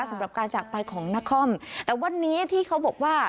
สำหรับการจากไปของนครแต่วันนี้ที่เขาบอกว่า